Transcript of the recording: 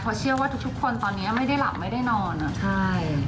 เพราะเชื่อว่าทุกคนตอนนี้ไม่ได้หลับไม่ได้นอนอ่ะใช่